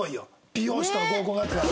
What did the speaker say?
美容師と合コンになったから。